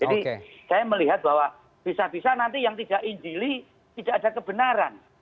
jadi saya melihat bahwa bisa bisa nanti yang tidak injili tidak ada kebenaran